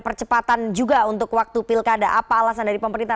percepatan juga untuk waktu pilkada apa alasan dari pemerintah